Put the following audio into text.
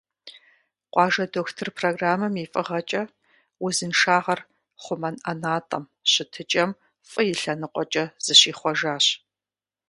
«Къуажэ дохутыр» программэм и фӀыгъэкӀэ, узыншагъэр хъумэн ӀэнатӀэм щытыкӀэм фӀы и лъэныкъуэкӀэ зыщихъуэжащ.